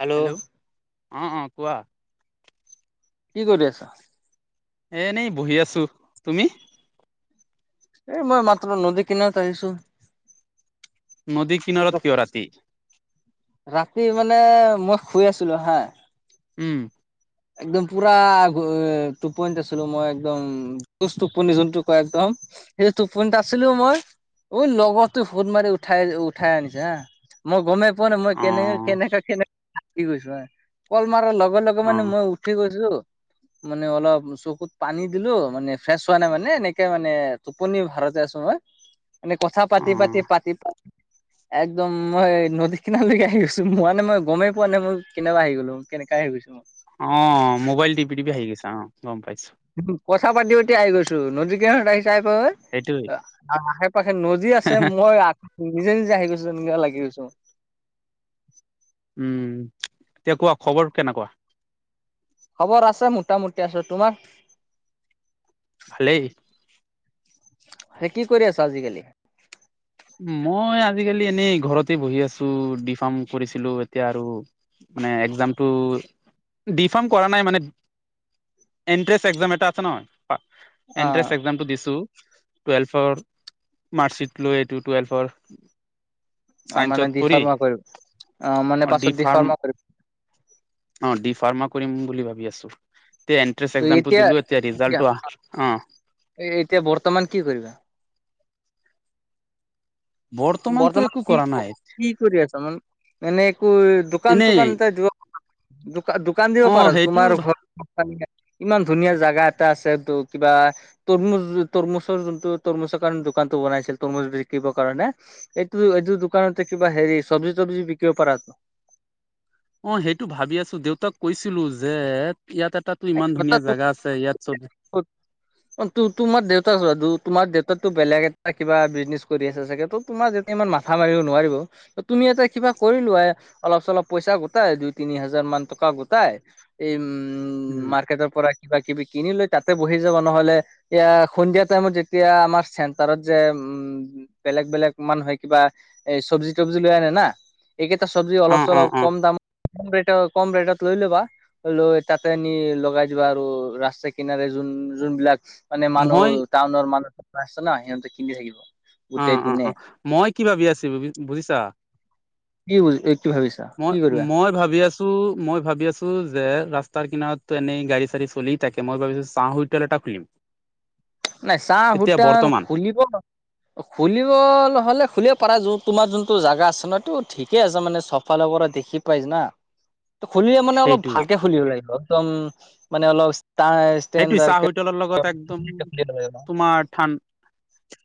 Hello hello! ' অঁ অঁ কোৱা। কি কৰি আছ? এনেই বহি আছোঁ, তুমি? এই মই মাত্ৰ নদী কিনাৰত আহিছোঁ। নদী কিনাৰত কিয়, ৰাতি? ৰাতি মানে মই শুই আছিলো হা। উমঁ! একদম পুৰা টোপনিত আছিলো, মই একদম। কোজ টোপনি যোনটো কয় একদম, সেই টোপনিত আছিলো মই ঐ লগৰটোৱে ফোন মাৰি উঠাই- উঠাই আনিছে, হা। মই গমেই পোৱা নাই, মই অ কেনে, কেনেকা কেনে গৈছো কল মাৰাৰ লগে-লগে অ মানে মোক উঠি গৈছোঁ। মানে অলপ চকুত পানী দিলো। মানে ফ্ৰেছ হোৱা নাই, মানে এনেকে মানে টোপনি ভাৰতে আছো মই [inaudible] মানে কথা অ পাতি, পাতি, পাতি, পাতি [inaudible] একদম মই নদী কিনাৰলৈকে আহি গৈছো, মানে মই গমেই পোৱা নাই মই কেনেকুৱা আহি গ'লো, কেনেকা আহি গৈছো। অ',। মোবাইল টিপি, টিপি আহি গৈছা, অ', গম পাইছোঁ। কথা পাতি, পাতি আহি গৈছো। নদীকিনাৰ আহিচা [unintelligible] সেইটোৱেই। আৰু আশে-পাশে নদী আছে, মই নিজে-নিজে আহি গৈছো যেন লাগি গৈছে মোৰ। উম। এতিয়া কোৱা, খবৰ কেনেকুৱা? খবৰ আছে মোটামুটি আচো তোমাৰ? ভালেই। সেই কি কৰি আছা, আজিকালি? মই আজিকালি এনেই ঘৰতে বহি আছো ডি ফাৰ্ম কৰিছিলো, এতিয়া আৰু মানে একজামটো, ডিফাৰ্ম কৰা নাই মানে এণ্ট্ৰেন্স একজাম এটা আছে ন? অ', এনট্ৰেস একজামটো দিছো, টুৱেল্ভৰ মাৰ্কশ্বিট লৈ এইটো, টুৱেল্ভৰ অ', মানে ডিফাৰ্মা কৰিব, অ', মানে ডি পাছত ফাৰ্ম ডিফাৰ্মা কৰিব। অ', ডিফাৰ্মা কৰিম বুলি ভাবি আছো। তে এনন্ট্ৰেস একজাম টো দিলো, এতিয়া ৰিজাল্টটো অহা না অ',। এতিয়া, বৰ্তমান কি কৰিবা? বৰ্তমানতো বৰ্তমান একো কি, কৰা নাই কি কৰি আছা মানে? এনেকৈ এনেই দোকান-চোকান এটা দিব পাৰা দোকান দিব অ পৰা সেইটো তোমাৰ ঘৰ ইমান ধুনীয়া জাগা এটা আছে, টো কিবা তৰমুজ- তৰমুজৰ যোনটো তৰমুজৰ কাৰণে দোকানতটো বনাইছিল তৰমুজ বিকিবৰ কাৰণে এইটো, এইটোৰ দোকানতে কিবা হেৰি চবজি-তবজি বিকিব পাৰা অ', সেইটো ভাবি আছো। দেউতাক কৈছিলো যে ইয়াত এটা [inaudible] [unintelligible] অ', তো তোমাৰ দেউতা চোৱা তোমাৰ দেউতাতো বেলেগ এটা কিবা বিজনেচ কৰি আছে চাগে, ত তোমাৰ দেতা ইমান মাথা মাৰিব নোৱাৰিব ত তুমি এটা কিবা কৰি লোৱা অলপ-চলপ পইচা গোটাই, দুই-তিনি হাজাৰমান টকা গোটাই এই, উম মাৰ্কেটৰ পৰা কিবা- কিবি কিনি লৈ তাতে বহি যাবা নহ'লে? এয়া সন্ধিয়া টাইমত যেতিয়া আমাৰ চেণ্টাৰত যে, উম' বেলেগ বেলেগ মানুহে কিবা এ চব্জি তব্জি লৈ আনে না। এইকেইটা চব্জি অ অলপ অ চলপ অ কম দামত কম ৰেট কম ৰেটত লৈ ল'বা লৈ তাতে, কিনি লগাই দিবা আৰু ৰাস্তা কিনাৰে যোন যোনবিলাক মানে মানুহ, মই টাউনৰ মানুহ আছে না, সিহঁতে কিনি থাকিব। গোটেই অ' অ' দিনে অ' মই কি ভাবি আছো বুজিছা? কি বো কি ভাবিছো? মই, মই ভাবি আছোঁ। মই ভাবি আছোঁ যে ৰাস্তাৰ কিনাৰতো এনেই গাড়ী চাড়ি চলি থাকে। মই ভাবিছোঁ চাহ হোটেল এটা খুলিম। নাই চাহ এতিয়া হোটেল বৰ্তমান খুলিব। খুলিব হলে খুলিবে পাৰা তোমাৰ যোনতটো জাগা আছে নয় এইটো ঠিকে আছে মানে চ'ব। ফালৰ কৰা দেখি পাইছ না। [unintelligible] ত' খুলিলে মানে অলপ সেইটোই ভালকে খুলিব লাগিব। একদম মানে অলপ ইস্টাইল, সেইটো চাহ হোটেল লগত একদম লাগিব। তোমাৰ ঠান্দা,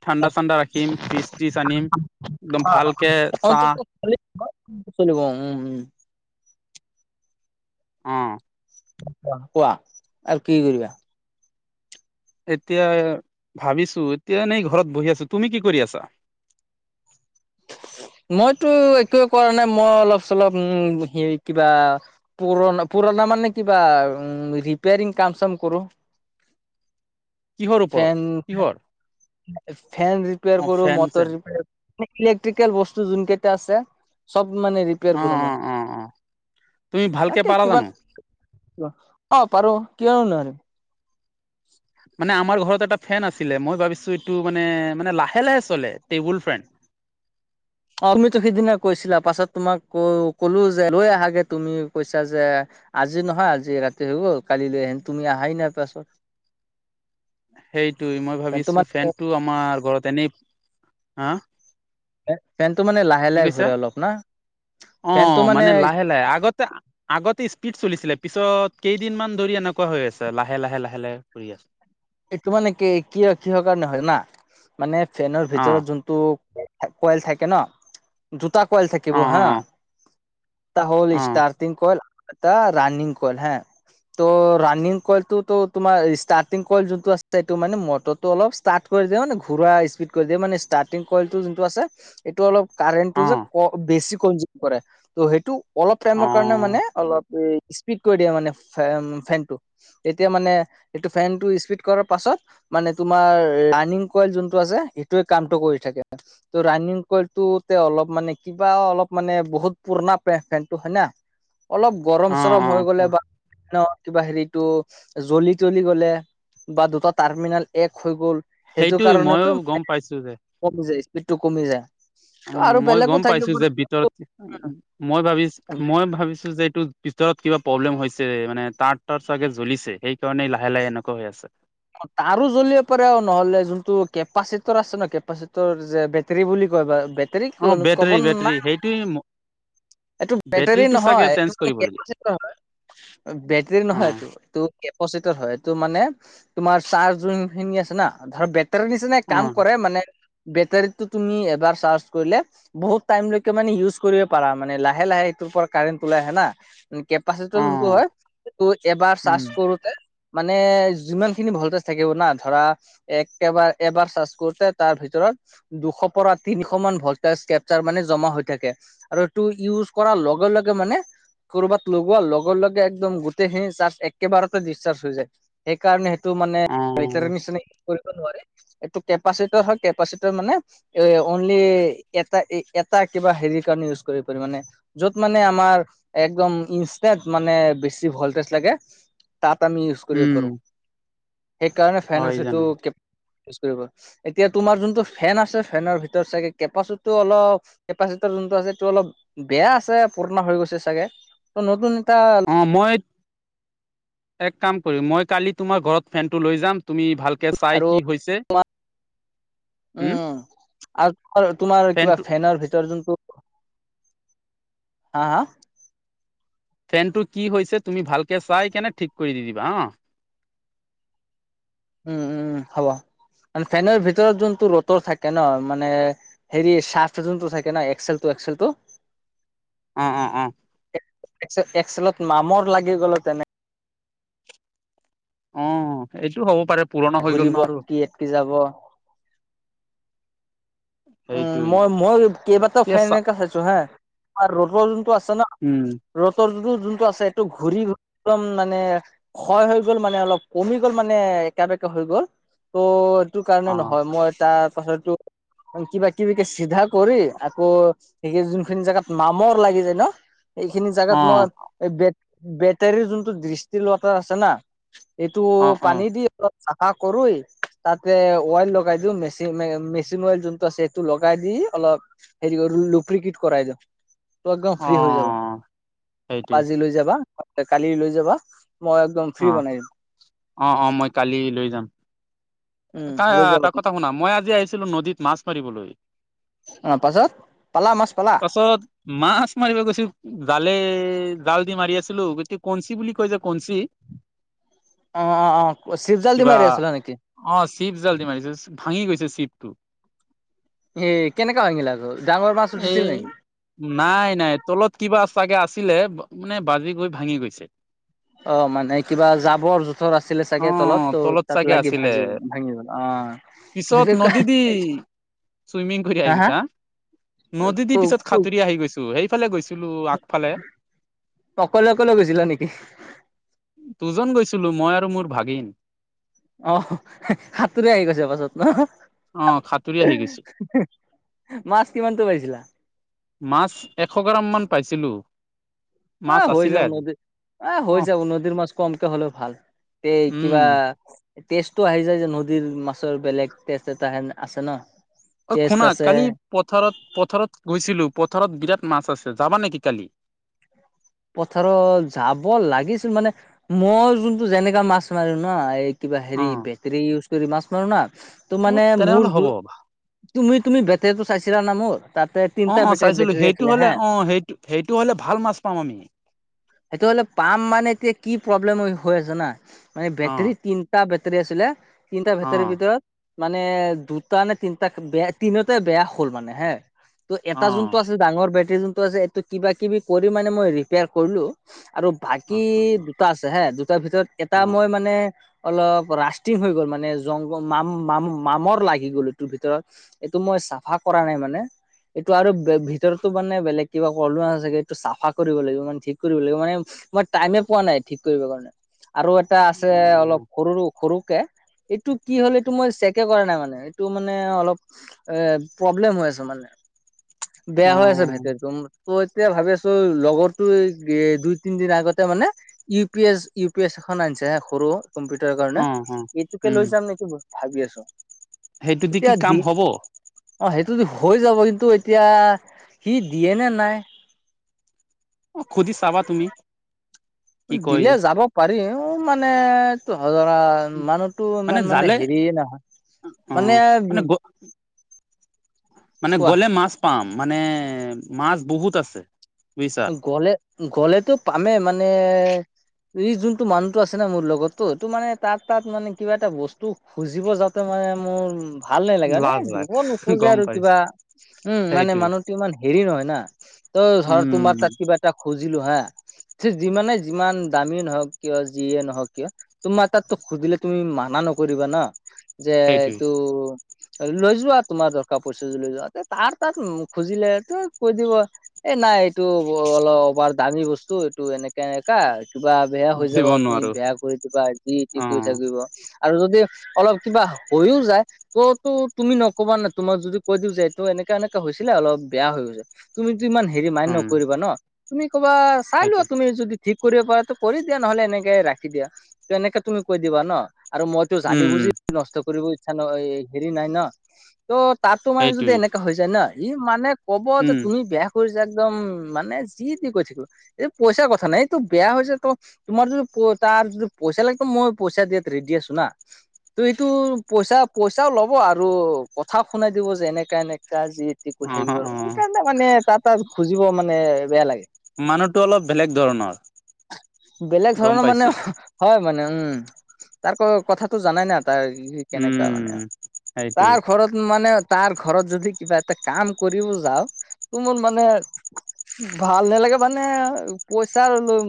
ঠাণ্ডা ঠাণ্ডা ৰাখিম ফ্ৰিজ ত্ৰিজ আনিম। একদম ভালকে চাহ, [unintelligible] চলিব উম' উম'। অ। কোৱা, আৰু কি কৰিবা? এতিয়া ভাবিছোঁ। এতিয়া এনেই ঘৰত বহি আছো। তুমি কি কৰি আছা? মইতো একোৱে কৰা নাই। মই অলপ-চলপ উ হে কিবা পুৰণা, পুৰণা মানে কিবা উ ৰিপেয়াৰিং কাম-চাম কৰোঁ। কিহৰ ওপৰত? কিহৰ? ফেন অ ৰিপেয়াৰ কৰো, ফেন মটৰ চেন ইলেক্ট্ৰিকেল বস্তু যোন কেইটা আছে চ'ব মানে অ কৰো অ মই। অ অ তুমি ভালকে তাকে পাৰা জানো কিমান [unintelligible] অ' পাৰো। কিয় নোৱাৰোঁ। [unintelligible] মানে আমাৰ ঘৰত এটা ফেন আছিলে, মই ভাবিছো এইটো মানে মানে লাহে লাহে চলে টেবুল ফেন। অ' তুমিতো সিদিনা কৈছিলা। পাছত তোমাক কলো যে লৈ আহাগৈ তুমি কৈছা যে আজি নহয় আজি ৰাতি হৈ গ'ল। কালি তুমি আহাই নাই পাছত। [unintelligible] সেইটোৱেই। মই ফেনটো ভাবিছোঁ মানে ফেনতটো আমাৰ ঘৰত এনেই হা ফে-ফোনটো মানে লাহ কি কৈছা? অ' মানে লাহে লাহে আগতে আগতে স্পীড চলিছিলে, পিছত কেইদিনমান ধৰি এনেকুৱা হৈ আছে লাহে লাহে লাহে লাহে। ঘূৰি আছো এইটো মানে কি, কিহ কিহৰ কাৰণে হয় না জানা? ফেনৰ অ ভিতৰত যোনটো কইল থাকে ন, দুটা কয়ল অ থাকিব অ হা অ এটা হ'ল অ', ষ্টাৰ্টিং কইল এটা ৰাণিং কল হে। ত' ৰানিং কইলতুটো তোমাৰ ষ্টাৰ্টিং কইল যোনটো আছে সেইটো মানে মটৰটো অলপ ষ্টাৰ্ট কৰি দে মানে ঘূৰা স্পীড কৰি দিয়ে মানে ষ্টাৰ্টিং কইলটো যোনটো আছে এইটো অলপ কাৰেণ্টটো যে অ', বেছি কনজিউম কৰে। ত' সেইটো অলপ টাইমৰ কাৰণে অ', মানে অলপ উম স্পীড কৰি দিয়ে মানে ফে-ফেনটো, এতিয়া মানে এইটো ফেনটো স্পীড কৰা পাছত, মানে তোমাৰ ৰাণিং কইল যোনটো আছে সেইটোৱে কামটো কৰি থাকে। ত' ৰাণিং কলটো অলপ মানে কিবা অলপ মানে বহুত পুৰণা ফেনটো হয় না। অলপ গৰম-চৰম হৈ অ', গ'লে অ', বা কিবা ফেনৰ কিবা হেৰিটো জ্বলি-তলি গ'লে বা দুটা টাৰ্মিনেল এক হৈ গ'ল। সেইটো সেইটোৱে মইও কাৰণেতো গম মে পাইছো যে কমি যায় স্পীডটো কমি যায়। উম আৰু মই বেলেগো গ'ম পাইছো থাকিব পাৰে যে ভিতৰত, মই ভাবিছ মই ভাবিছো যে এইটো ভিতৰত কিবা প্ৰব্লেম হৈছে, মানে তাঁৰ তাৰ চাগে জ্বলিছে সেইকাৰণে লাহে লাহে এনেকুৱা হৈ আছে। তাৰো জ্বলিব পাৰে নহ'লে যোনটো কেপাচিটৰ আছে ন কেপাচিটৰ যে বেটেৰী বুলি কয় ব অ', ক'ব বেটৰী বেটৰী নাই [unintelligible] সেইটোৱে এইটো বেটাৰী বেটৰীটো চাগে নহয় চেঞ্জ কৰিব লাগিব বেটৰী নহয় অ', এইটো, এইটো কেপচিটৰ হয় এইটো মানে তোমাৰ চাৰ্জ যোন খিনি আছে না, ধৰ বেটাৰী নিচিনাই কাম অ', কৰে মানে বেটাৰীতটো তুমি এবাৰ চাৰ্জ কৰিলে বহুত টাইম লকে মানে ইউজ কৰিব পাৰা, মানে লাহে লাহে ইটোৰ পৰা কাৰেণ্ট ওলাই আহে না কেপাচিটি যোনটো অ', হয় সেইটো এবাৰ চাৰ্জ উম, কৰোতে মানে যিমান খিনি ভলটেজ থাকিব না, ধৰা একেবাৰ এবাৰ চাৰ্জ কৰোতে তাৰ ভিতৰত দুশ পৰা তিনিশ মান ভল্টেচ কেপচাৰ মানে জমা হৈ থাকে। আৰু টো ইউজ কৰাৰ লগে লগে মানে কৰ'বাত লগোৱা লগে লগে একদম গোটেইখিনি চাৰ্জ একেবাৰতে ডিচাৰ্জ হৈ যায় সেইকাৰণে টো মানে টাৰ অ', নিচিনা কৰিব নোৱাৰে এইটো কেপাচিটি হয় কেপাচিটৰ মানে এ অনলি এটা এটা কিবা হেৰিৰ কাৰণে ইউজ কৰিব পাৰ মানে। য'ত মানে আমাৰ একদম ইনষ্টেণ্ট মানে বেছি ভলটেজ লাগে। তাত আমি ইউজ কৰিব উম, পাৰো সেইকাৰণে হয় ফেনটো জানো ই কৰিব। এতিয়া তোমাৰ যোনটো ফেন আছে ফেনৰ ভিতৰত চাগে কেপাচিটিও অলপ কেপাচিটি যোনটো আছে এইটো অলপ বেয়া আছে পুৰণা হৈ গৈছে চাগে ত নতুন এটা অঁ মই এক কাম কৰিম মই কালি তোমাৰ ঘৰত ফেনটো লৈ যাম তুমি ভাল কে চাই আৰু কি হৈছে উম আৰু তোমাৰ তোমাৰ ফেনটো কিবা ফেনৰ ভিতৰত যোনটো হাঁ হাঁ। ফেন টো কি হৈছে তুমি ভালকে চাই কেনে ঠিক কৰি দি দিবা হঁ। উম উম হ'ব মান ফেনৰ ভিতৰত যোনটো ৰ'টৰ থাকে ন মানে হেৰি চাৰ্ট যোনটো থাকে ন এক্সেল টো এক্সেলটো। অঁ অঁ অঁ। এক্স এক্সলেত মামৰ লাগি গ'ল তেনেক- অঁ এইটো হ'ব পাৰে। পুৰণা হৈ গ'ল ন ঘুৰিব আৰু কি একটি যাব। উম সেইটোই মই মই কেইবাটাও এতিয়া ফেন চা এনেকে চাইছো হাঁ আ ৰ'টৰ যোনটো আছে ন উম ৰ'টৰ যো যোনটো আছে এইটো ঘূৰি একদম মানে ক্ষয় হৈ গ'ল মানে অলপ কমি গ'ল মানে একা বেকা হৈ গ'ল। ত' এইটো কাৰণে অ নহয় মই তাৰ পাছতো কিবা কিবিকে চিধা কৰি আকৌ সেই যোনখিনি জোগাত মামৰ লাগি যায় ন এইখিনি জেগাত অ মই বেত বেটাৰীৰ যোনটো দৃষ্টি লটাৰ আছে না- এইটো অ অ পানী দি অ- চাফা কৰোৱেই তাতে অৱইল লগাই দিওঁ মেচি মেচিন অৱইল। যোনটো আছে সেইটো লগাই দি অলপ হেৰি কৰ লুপৰিকিট কৰাই দিও। ত একদম অ ফ্ৰী হৈ যাবা সেইটোৱে আজি লৈ যাবা কালি লৈ যাবা মই‌ একদম ফ্ৰী বনাই দিম। অঁ অঁ মই কালি লৈ যাম। উম তা লৈ যাবা তাৰ তুমি। কথা শুনা মই আজি আহিছিলো নদীত মাছ মাৰিবলৈ। অঁ পাছত পালা মাছ পালা। পাছত মাছ মাৰিব গৈছো জালে জাল দি মাৰি আছিলো গতিকে কঞ্চি বুলি কয় যে কঞ্চি অঁ অঁ অঁ চিৱ জাল্দি মাৰি থৈ আছিল নেকি। অঁ চিপ জাল্দি মাৰিছো ভাঙি গৈছে চিপটো। এই কেনেকে ভাঙিলে আৰু ডাঙৰ মাছ উঠিছিল এই নেকি? নাই নাই তলত কিবা চাগে আছিলে মানে বাজি গৈ ভাঙি গৈছে। অঁ মানে কিবা জাবৰ জোথ থৰ আছিলে অ চাগে তলত ত' তাত চাগে লাগি আছিলে ভাজি ভাঙি গল পিছত নদী দি অঁ। চুইমিং ঘদি আহি গৈছা হাঁ নদী ক দি পিছত খাতুৰি আহি গৈছো হেই। ফালে গৈছিলো আগফালে। অকলে অকলে গৈছিলা নেকি? দুজন গৈছিলো মই আৰু মোৰ ভাগিন। অ সাতোৰি আহি গৈছে পাছত ন অ সাঁতুৰি আহি গৈছো মাছ কিমানটো পাইছিলা মাছ এশ গ্ৰাম মান পাইছিলোঁ এ হৈ যাও নদীত এহ অ হৈ যাব নদীৰ মাছ কমকে হ'লেও ভাল এই উম কিবা টেষ্টটো আহি যায় যে নদীৰ মাছৰ বেলেগ টেষ্ট এটা হেন আছে ন অ টেষ্ট খুনা আছে কালি পথাৰত পথাৰত গৈছিলো পথাৰত বিৰাট মাছ আছে যাবা নেকি কালি পথাৰত যাব লাগিছিল মানে মই যোনটো যেনেকা মাছ মাৰো ন এই কিবা অ হেৰি বেটৰী ইউজ কৰি মাছ মাৰো না ত অ মানে তেনেহলে মোৰ হ'ব তুমি তুমি বেটেৰীটো চাইছিলা না মোৰ তাতে অ তিনিটা অ বেটী- চাইছিলো বেটাৰী সেইটো আছিলে হলে হে অ সেইটো সেইটো হ'লে ভাল মাছ পাম আমি সেইটো হলে পাম মানে এতিয়া কি প্ৰব্লেম হৈ আছে জানা মানে অ বেটেৰী তিন টা বেটেৰী আছিলে তিনিটা অ ভেটৰীৰ ভিতৰত মানে দুটা নে তিনটা বেয়া তিনিওটাই বেয়া হ'ল মানে হে ত' অ এটা যোনটো আছে ডাঙৰ বেটেৰী যোনটো আছে এইটো কিবা কিবি কৰি মানে মই ৰিপেয়াৰ কৰিলো আৰু অ অ বাকী দুটা আছে হে দুটাৰ ভিতৰত এটা অ মই অ মানে অলপ ৰাষ্টিং হৈ গ'ল মানে জংগল মাম মাম মামৰ লাগি গ'ল এইতোৰ ভিতৰত এইটো মই চাফা কৰা নাই মানে এইটো আৰু ভিতৰতো মানে বেলেগ কিবা কলোহা চাগে এইটো চাফা কৰিব লাগিব মানে ঠিক কৰিব লাগিব মানে মই টাইমে পোৱা নাই ঠিক কৰিব কাৰণে আৰু এ এটা আছে অলপ সৰুৰো সৰুকে এইটো কি হ'ল এইটো মই চেকে কৰা নাই মানে এইটো মানে অলপ এ প্ৰব্লেম হৈ আছে মানে অ বেয়া হৈ আছে ভেটেৰীটো, তো এতিয়া ভাবি আছো লগৰটোৱে দুই তিনদিন আগতে মানে U P S, U P S এখন আনিছে হা সৰু কম্পিউটাৰ কাৰণে অ এইটোকে উম লৈ যাম নেকি ভাবি আছো সেইটো দি কি কাম হব অ সেইটো দি হৈ যাব কিন্তু এতিয়া সি দিয়ে নে নাই অ খুজি চাবা তুমি কি কয় দিলে যে যাব পাৰিম মানে ত ধৰা মানুহটো ইমান মানে হেৰিয়ে নহয় অ মানে মানে কোৱা গ'লে মাছ পাম মানে মাছ বহুত আছে বুজিছা গলে গলেতো পামেই মানে এই যোনটো মানুহটো আছে না মোৰ লগৰটো এইটো মানে তাত তাত মানে কিবা এটা বস্তু খুজিব যাতে মানে মোৰ ভাল নালাগে মানে লাখ লাখ দিব নোখোজে গম আৰু পাইছো কিবা উম মানে সেইটোৱে মানুহটো ইমান হেৰি নহয় না তৌ ধৰ তোমাৰ উম তাত কিবা এটা খুজিলো হা যিমানে যিমান দামীয়ে নহওক কিয় যিয়ে নহওক কিয় তোমাৰ তাততো সুধিলে তুমি মানা নকৰিবা ন যে সেইটোৱে এইটো লৈ যোৱা তোমাৰ দৰকাৰ পৰিচে যদি লৈ যোৱা তে তাৰ তাত খুজিলে তই কৈ দিব এ নাই এইটো অলপবাৰ দামী বস্তু এইটো এনেক কেনেকা কিবা বেয়া হৈ দিব যাব তুমি নোৱাৰো বেয়া কৰি দিবা যি তি অ কৈ থাকিব আৰু যদি অলপ কিবা হৈও যায় কতো তুমি নকবা নাই তোমাক যদি কৈ দিওঁ যে এইটো এনেকা এনেকা হৈছিলে অলপ বেয়া হৈ গৈছে তুমিতো ইমান হেৰি মান্য উম নকৰিবা ন তুমি ক'বা চাই লোৱা সেইটোৱে তুমি যদি ঠিক কৰিব পাৰা টো কৰি দিয়া নহলে এনেকে ৰাখি দিয়া, ত এনেকে তুমি কৈ দিবা ন? আৰু মই টো জানি উম বুজি নষ্ট কৰিব ইচ্ছা ন ই হেৰি নাই ন? ত তাতো মানে যদি সেইটোৱে এনে হৈ যায় ন, ই মানে কব যে উম তুমি বেয়া কৰিছা একদম মানে যি তী কৈ থাকিব। এই পইচাৰ কথা নাই এইটো বেয়া হৈছে ত তোমাৰ যদি প তাৰ যদি পইচা লাগিব মই পইচা দিয়াত ৰেডি আছো না। ত এইটো পইচা পইচাও ল'ব আৰু কথাও শুনাই দিব যে এনেকা এনেকা যি তি কৈ অ থাকিব আৰু, অ সেইকাৰণে মানে তাৰ তাত খুজিব মানে বেয়া লাগে। মানুহটো অলপ বেলেগ ধৰণৰ। বেলেগ গম ধৰণৰ মানে পাইছো হয় মানে উম, তাৰ কথাটো জানাই না। তাৰ সি কেনেকা মানে উম আও, সেইটোৱে। তাৰ ঘৰত মানে তাৰ ঘৰত যদি কিবা এটা কাম কৰিব যাওঁ, ত মোৰ মানে ভাল নালাগে মানে পইচা লৈ